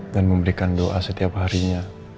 dan memberikan doa setiap harinya